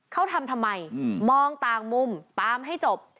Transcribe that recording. เขาทำทำไมมองต่างมุมตามให้จบ